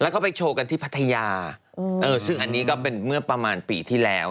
แล้วก็ไปโชว์กันที่พัทยาซึ่งอันนี้ก็เป็นเมื่อประมาณปีที่แล้ว